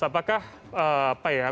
apakah apa ya